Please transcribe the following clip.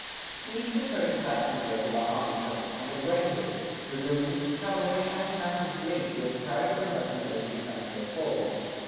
[47:1] These were prototypes of the regular army post, and of rangers, dragoons, cavalry and mounted police who have carried the remoter military frontier forward.